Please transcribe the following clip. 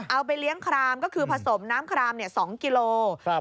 เอาไปเลี้ยงครามก็คือผสมน้ำคราม๒กิโล